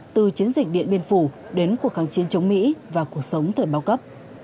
từ chiến dịch điện biên phủ đến cuộc kháng chiến chống mỹ và cuộc sống thời bao cấp